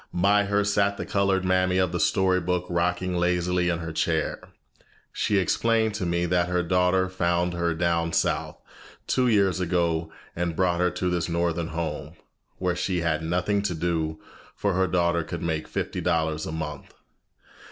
By her sat the colored mammy of the story book rocking lazily in her chair. She explained to me that her daughter had found her down south, two years ago, and brought her to this northern home, where she had nothing to do, for her daughter could make fifty dollars a month.